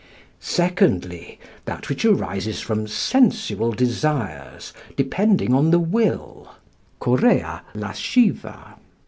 Secondly, that which arises from sensual desires, depending on the will (Chorea lasciva).